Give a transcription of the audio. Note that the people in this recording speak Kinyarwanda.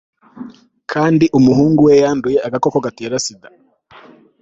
kandi umuhungu we yanduye agakoko gatera sida